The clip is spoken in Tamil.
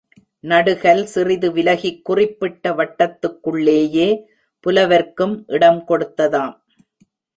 நடுகல் சிறிது விலகிக் குறிப்பிட்ட வட்டத்துக்குள்ளேயே புலவர்க்கும் இடம் கொடுத்ததாம்.